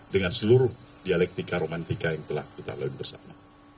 dengan seluruh dialektika romantika yang telah kita lalui bersama